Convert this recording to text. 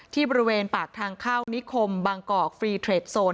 ที่บริเวณปากทางเข้านิคมบางกอกฟรีเทรดโซน